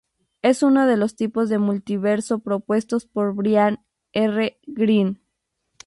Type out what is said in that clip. Es uno de los tipos de multiverso propuestos por Brian R. Greene.